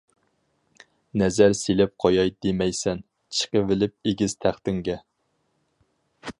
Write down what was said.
نەزەر سېلىپ قوياي دېمەيسەن، چىقىۋېلىپ ئېگىز تەختىڭگە.